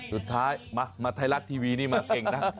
สุดท้ายมาไทยรัฐทีวีนี่มาเก่งนะ